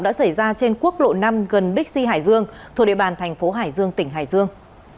đã xảy ra trên quốc lộ năm gần bixi hải dương thuộc địa bàn thành phố hải dương tỉnh hải dương